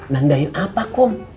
nandain apa kom